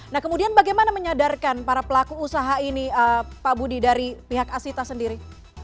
nah kemudian bagaimana menyadarkan para pelaku usaha ini pak budi dari pihak asita sendiri